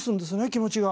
気持ちが。